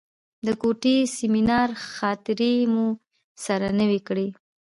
د کوټې سیمینار خاطرې مو سره نوې کړې.